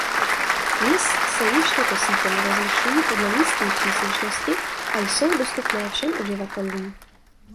Dnes se již tyto sítě nerozlišují podle místní příslušnosti a jsou dostupné všem uživatelům.